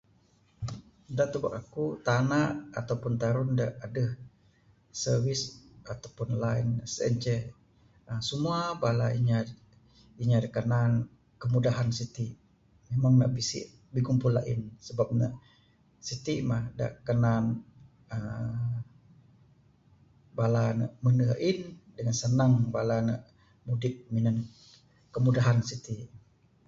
Da tubek aku, tanak ato pun tarun da adeh service ato pun line sien ceh aa simua bala inya, inya da kanan kemudahan siti. Memang ne bisi bigumpul ain, sebab ne siti mah da kanan aaa bala ne mende ain dangan sanang bala ne mudip minan kemudahan siti.